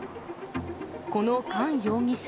この韓容疑者。